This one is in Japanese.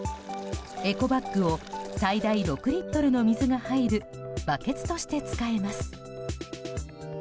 エコバッグを最大６リットルの水が入るバケツとして使えます。